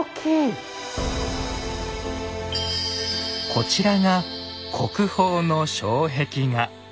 こちらが国宝の障壁画。